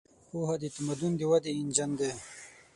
پوهه د تمدن د ودې انجن دی.